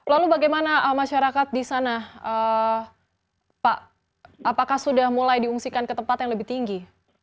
lalu bagaimana masyarakat di sana pak apakah sudah mulai diungsikan ke tempat yang lebih tinggi